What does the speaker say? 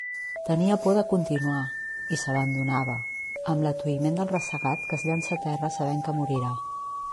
Tenia por de continuar, i s'abandonava, amb l'atuïment del ressagat que es llança a terra sabent que morirà.